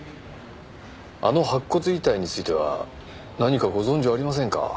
あの白骨遺体については何かご存じありませんか？